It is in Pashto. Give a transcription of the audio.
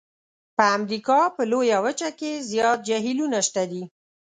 په امریکا په لویه وچه کې زیات جهیلونه شته دي.